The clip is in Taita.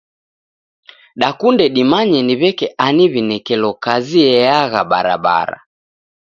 Dakunde dimanye ni w'eke ani w'inekelo kazi eagha barabara.